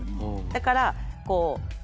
だから。